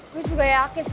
gak mau ngasih tau